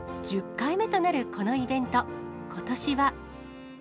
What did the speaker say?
１０回目となるこのイベント、ことしは。